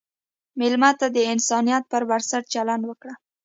مېلمه ته د انسانیت پر بنسټ چلند وکړه.